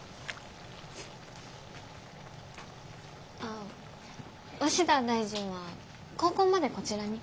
あ鷲田大臣は高校までこちらに？